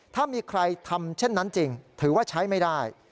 ถ้ามีใครทำเช่นนั้นจริงถือว่าใช้ไม่ได้